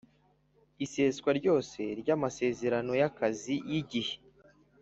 Iseswa ryose ry amasezerano y akazi y igihe